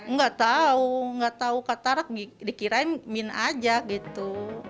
nggak tahu nggak tahu katarak dikirain min aja gitu